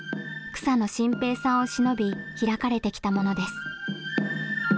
草野心平さんをしのび開かれてきたものです。